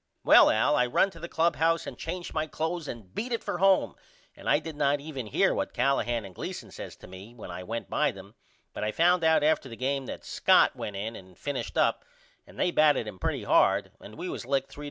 Well Al I run to the clubhouse and changed my cloths and beat it for home and I did not even hear what Callahan and Gleason says to me when I went by them but I found out after the game that Scott went in and finished up and they batted him pretty hard and we was licked 3 and 2.